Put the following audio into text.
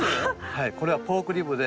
はいこれはポークリブで。